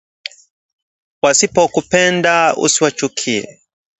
Wasipokupenda usiwachukie